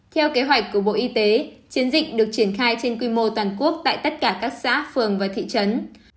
theo kế hoạch của bộ y tế chiến dịch được triển khai trên quy mô toàn quốc tại tất cả các xã phường và thị trấn